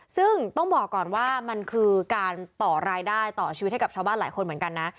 ซึ่งต้องบอกก่อนว่ามันคือการต่อรายได้ต่อชีวิตให้กับชาวบ้านหลายคนเหมือนกันนะ